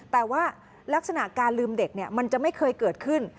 แต่ว่าลักษณะการลืมเด็กมันจะไม่เคยเกิดขึ้น